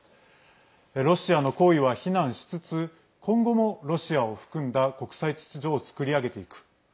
ロシアの行為は非難しつつ今後もロシアを含んだ国際秩序を作り上げていく。